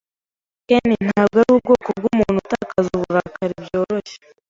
Ken ntabwo arubwoko bwumuntu utakaza uburakari byoroshye.